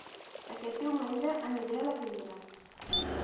Aquest diumenge aniré a La Figuera